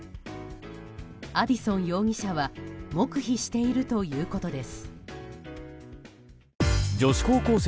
アディソン容疑者は黙秘しているということです。